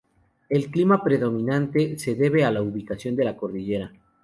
El clima predominante se debe a la ubicación de la cordillera.